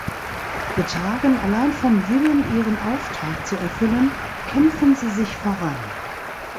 Getragen allein vom Willen ihren Auftrag zu erfüllen kämpfen sie sich voran.